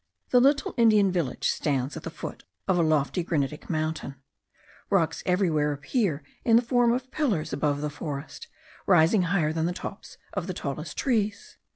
The little Indian village stands at the foot of a lofty granitic mountain. Rocks everywhere appear in the form of pillars above the forest, rising higher than the tops of the tallest trees.